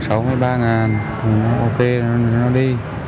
rồi nó ok rồi nó đi